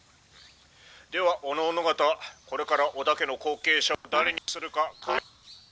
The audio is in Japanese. ではおのおの方これから織田家の後継者を誰にするかか」。